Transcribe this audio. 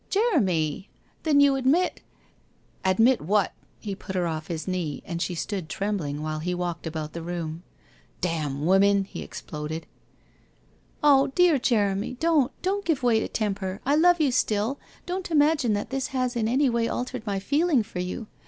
»' Jeremy ! Then you admit ' 1 Admit what? ' He put her off his knee, and she stood trembling while he walked about the room. ...' Damn women !' he exploded. •' Oh, dear Jeremy, don't, don't give way to temper ! I love you still — don't imagine that this has in any way altered my feeling for you.